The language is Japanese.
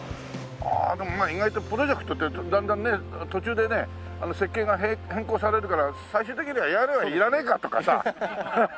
ああでも意外とプロジェクトっていうとだんだんね途中でね設計が変更されるから最終的には屋根はいらねえかとかさ。ハハハハハ。